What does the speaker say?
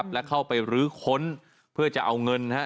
และเข้าไปรื้อค้นเพื่อจะเอาเงิน